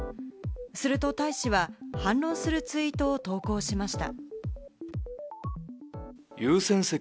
すると大使は反論するツイートを投稿しました。